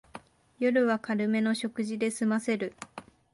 夜は軽めの食事ですませる